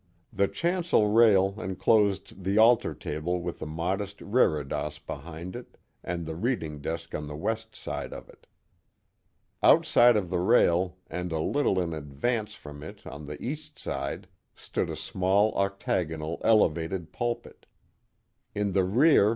The chancel rail enclosed the altar table with a modest reredos behind it and the reading desk on the west side of it. Outside of the rail, and a little in advance from it on the east side, stood a small octagonal elevated pulpit. In the rear.